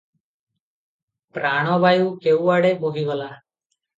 ପ୍ରାଣବାୟୁ କେଉଁଆଡ଼େ ବହିଗଲା ।